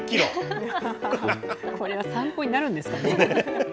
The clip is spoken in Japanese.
これは参考になるんですかね